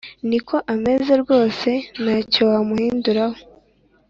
Niko ameze rwose ntacyo wamuhindura ho